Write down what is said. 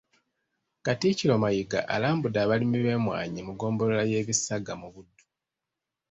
Katikkiro Mayiga alambudde abalimi b’emmwanyi mu ggombolola y’e Bigasa mu Buddu .